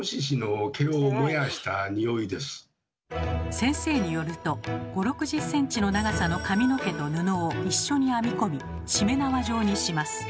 先生によると５０６０ｃｍの長さの髪の毛と布を一緒に編み込みしめ縄状にします。